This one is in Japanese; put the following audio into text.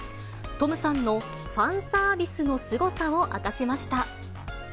トムさんのファンサービスのすごさを明かしました。